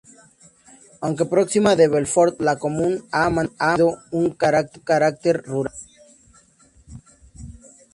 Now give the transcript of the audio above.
Aunque próxima de Belfort, la comuna ha mantenido un caracter rural.